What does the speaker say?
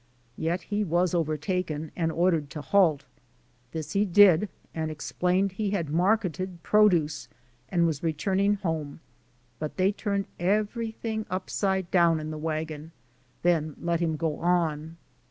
Yet he was overtaken and ordered to halt. This he did and explained he had marketed produce and was returning home but they turned everything upside down in the wagon ŌĆö ^then let him go on.